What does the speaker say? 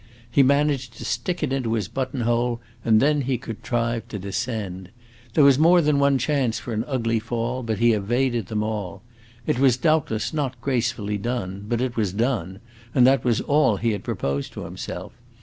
He managed to stick it into his buttonhole and then he contrived to descend. There was more than one chance for an ugly fall, but he evaded them all. It was doubtless not gracefully done, but it was done, and that was all he had proposed to himself.